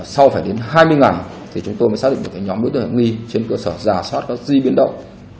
sau phải đến hai mươi ngày chúng tôi mới xác định được nhóm đối tượng tình nghi trên cơ sở giả soát taxi biến động